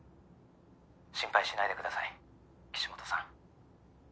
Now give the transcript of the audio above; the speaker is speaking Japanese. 心配しないでください岸本さん。